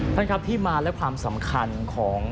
ท่านครับที่มาและความสำคัญของ